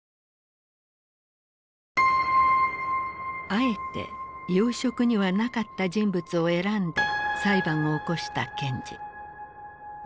あえて要職にはなかった人物を選んで裁判を起こした検事。